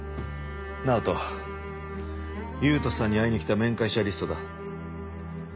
優人さんに会いに来た面会者リストだ。